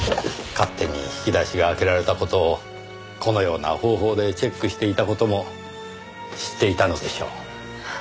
勝手に引き出しが開けられた事をこのような方法でチェックしていた事も知っていたのでしょう。